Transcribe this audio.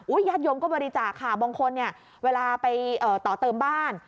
อุ๊ยญาติโยมก็บริจักษ์ค่ะบางคนเวลาไปต่อเติมบ้าน